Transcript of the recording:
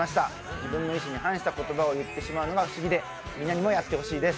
自分の意思に反した言葉を言ってしまうのが不思議でみんなにもやってほしいです。